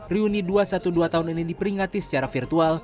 reuni dua ratus dua belas tahun ini diperingati secara virtual